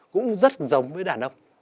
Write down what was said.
cũng rất giống với đàn ông